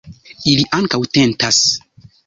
Ili ankaŭ tentas.